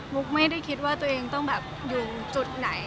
ุ๊กไม่ได้คิดว่าตัวเองต้องแบบอยู่จุดไหน